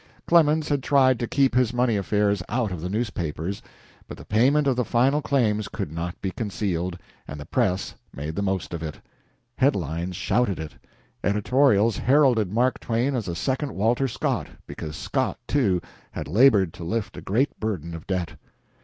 Clemens had tried to keep his money affairs out of the newspapers, but the payment of the final claims could not be concealed, and the press made the most of it. Head lines shouted it. Editorials heralded Mark Twain as a second Walter Scott, because Scott, too, had labored to lift a great burden of debt.